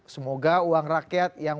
semoga uang rakyat yang